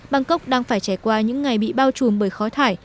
bangkok đang phải trải qua những ngày bị bao trùm bởi khói thải